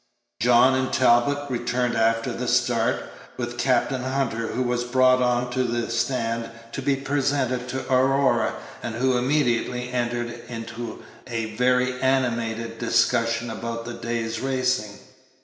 John and Talbot returned after the start, with Captain Hunter, who was brought on to the stand to be presented to Aurora, and who immediately entered into a very animated discussion upon the day's racing.